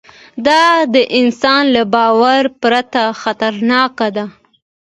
دا د انسان له باور پرته خطرناکه ده.